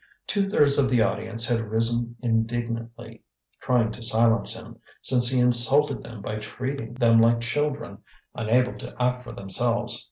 Two thirds of the audience had risen indignantly, trying to silence him, since he insulted them by treating them like children unable to act for themselves.